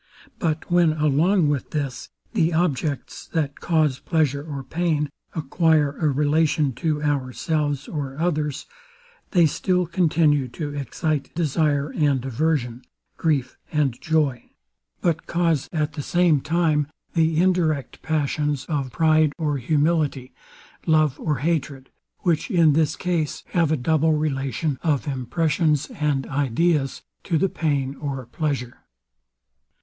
But when along with this, the objects, that cause pleasure or pain, acquire a relation to ourselves or others; they still continue to excite desire and aversion, grief and joy: But cause, at the same time, the indirect passions of pride or humility, love or hatred, which in this case have a double relation of impressions and ideas to the pain or pleasure.